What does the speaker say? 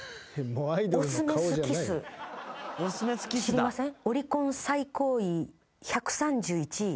知りません？